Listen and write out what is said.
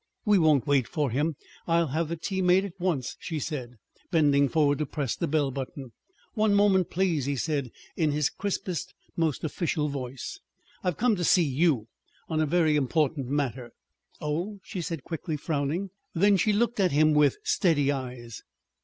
"We won't wait for him. I'll have the tea made at once," she said, bending forward to press the bell button. "One moment, please," he said in his crispest, most official voice. "I've come to see you on a very important matter." "Oh?" she said quickly, frowning. Then she looked at him with steady eyes.